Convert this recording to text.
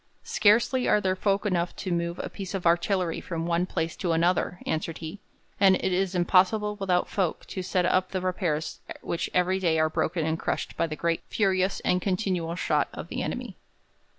'Scarcely are there folk enough to move a piece of artillery from one place to another,' answered he, 'and it is impossible without folk to set up the repairs which every day are broken and crushed by the great, furious, and continual shot of the enemy.'